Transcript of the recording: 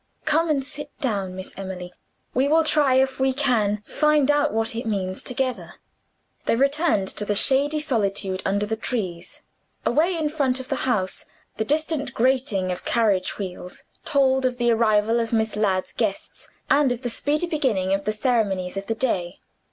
"Come, and sit down, Miss Emily. We will try if we can find out what it means, together." They returned to the shady solitude under the trees. Away, in front of the house, the distant grating of carriage wheels told of the arrival of Miss Ladd's guests, and of the speedy beginning of the ceremonies of the day.